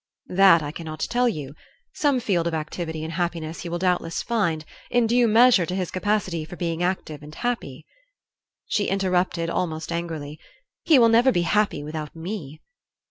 "That I cannot tell you. Some field of activity and happiness he will doubtless find, in due measure to his capacity for being active and happy." She interrupted, almost angrily: "He will never be happy without me."